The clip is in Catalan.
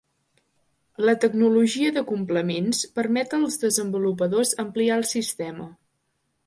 La tecnologia de complements permet als desenvolupadors ampliar el sistema.